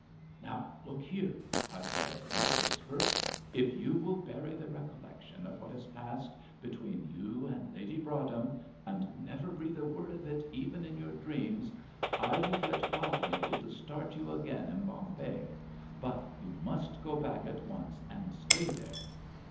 "Now, look here," I said, in a whisper, "if you will bury the recollection of what has passed between you and Lady Broadhem, and never breathe a word of it even in your dreams, I will get Bodwinkle to start you again in Bombay, but you must go back at once and stay there.